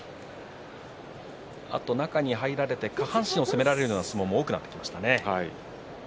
あと中に入られて下半身を攻められるような相撲も多くなってきましたね。